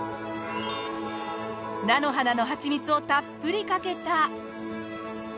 菜の花のはちみつをたっぷりかけた。